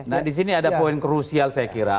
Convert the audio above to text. nah disini ada poin krusial saya kira